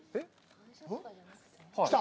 来た？